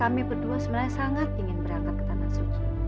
kami berdua sebenarnya sangat ingin berangkat ke tanah suci